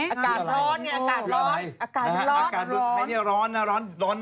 อากาศร้อนอากาศร้อน